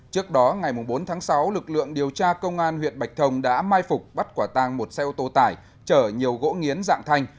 trước đó ngày bốn tháng sáu lực lượng điều tra công an huyện bạch thông đã mai phục bắt quả tang một xe ô tô tải chở nhiều gỗ nghiến dạng thanh